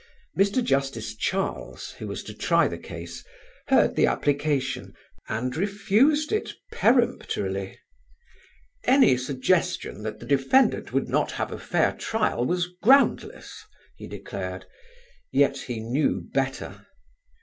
Mr. Justice Charles, who was to try the case, heard the application and refused it peremptorily: "Any suggestion that the defendant would not have a fair trial was groundless," he declared; yet he knew better.